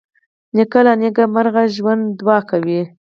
نیکه له نیکمرغه ژوند دعا کوي.